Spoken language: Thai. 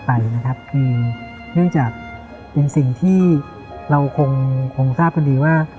ไปนะครับคือเนื่องจากเป็นสิ่งที่เราคงคงทราบกันดีว่า